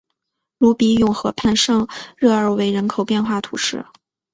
鲁比永河畔圣热尔韦人口变化图示